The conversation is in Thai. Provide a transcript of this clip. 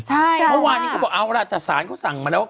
ใช่ว่าว่าเมื่อวานี้เขาบอกเอาล่ะแต่ศาลเขาสั่งมาแล้วว่า